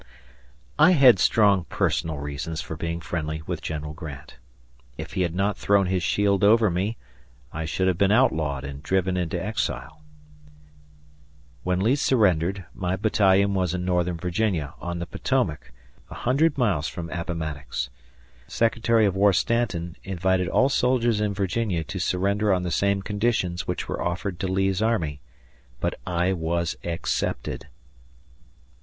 I had strong personal reasons for being friendly with General Grant. If he had not thrown his shield over me, I should have been outlawed and driven into exile. When Lee surrendered, my battalion was in northern Virginia, on the Potomac, a hundred miles from Appomattox. Secretary of War Stanton invited all soldiers in Virginia to surrender on the same conditions which were offered to Lee's army; but I was excepted.